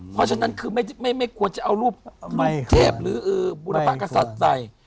เพราะฉะนั้นคือไม่ควรจะเอารูปเทพหรือบุรพกษัตริย์ใส่